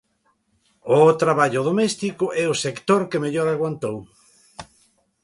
O traballo doméstico é o sector que mellor aguantou.